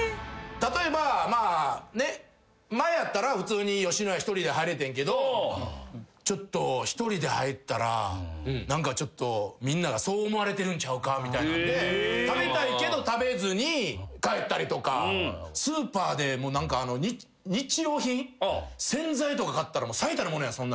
例えば前やったら普通に野家１人で入れてんけど１人で入ったら何かちょっとみんなにそう思われてるんちゃうかみたいなんで食べたいけど食べずに帰ったりとかスーパーで日用品洗剤とか買ったら最たるものやん